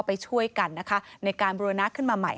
ไปช่วยกันนะคะในการบูรณะขึ้นมาใหม่